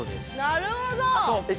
なるほど！え？